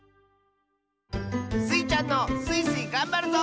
スイちゃんの「スイスイ！がんばるぞ」